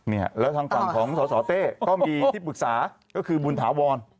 เนี่ยแล้วทางฝั่งของสสเต้ก็มีที่ปรึกษาก็คือบุญถาวร